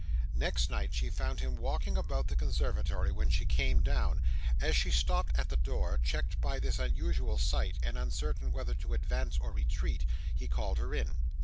Next night, she found him walking about the conservatory when she came down. As she stopped at the door, checked by this unusual sight, and uncertain whether to advance or retreat, he called her in.